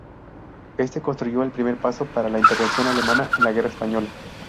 Este constituyó el primer paso para la intervención alemana en la guerra española.